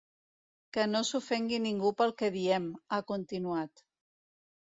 Que no s’ofengui ningú pel que diem, ha continuat.